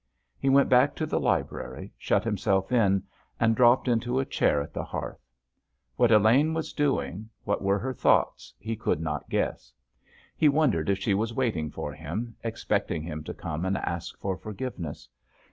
He went back to the library, shut himself in, and dropped into a chair at the hearth. What Elaine was doing, what were her thoughts, he could not guess. He wondered if she was waiting for him, expecting him to come and ask for forgiveness.